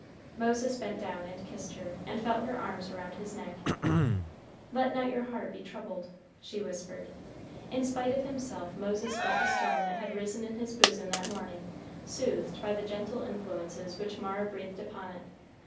Moses bent down and kissed her, and felt her arms around his neck. "Let not your heart be troubled," she whispered. In spite of himself Moses felt the storm that had risen in his bosom that morning soothed by the gentle influences which Mara breathed upon it.